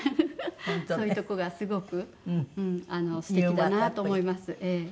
そういうところがすごく素敵だなと思います。